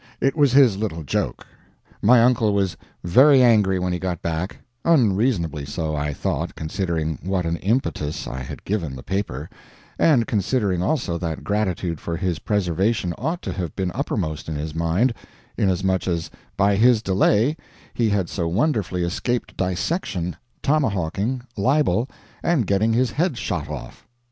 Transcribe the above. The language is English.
It was his little joke. My uncle was very angry when he got back unreasonably so, I thought, considering what an impetus I had given the paper, and considering also that gratitude for his preservation ought to have been uppermost in his mind, inasmuch as by his delay he had so wonderfully escaped dissection, tomahawking, libel, and getting his head shot off.